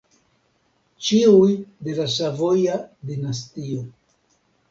Ĉiuj de la Savoja dinastio.